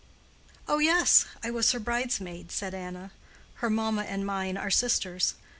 "Oh, yes; I was her bridesmaid," said Anna. "Her mamma and mine are sisters.